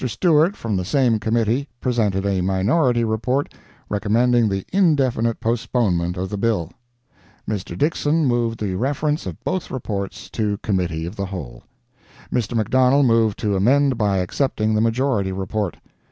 Stewart, from the same committee, presented a minority report recommending the indefinite postponement of the bill. Mr. Dixson moved the reference of both reports to Committee of the Whole. Mr. McDonald moved to amend by accepting the majority report.